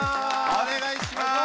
お願いします。